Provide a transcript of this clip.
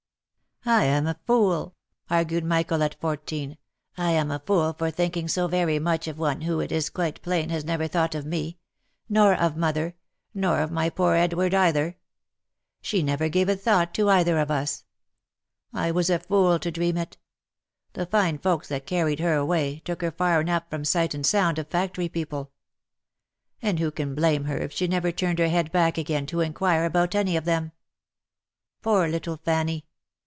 " I am a fool," argued Michael at fourteen, —" I am a fool for thinking so very much of one who it is quite plain has never thought of me — nor of mother — nor of my poor Edward either ; she never gave a thought to either of us ! I was a fool to dream it ! The fine folks that carried her away, took her far enough from sight and sound of factory people. And who can blame her if she never turned her head back again to inquire about any of them ? Poor little Fanny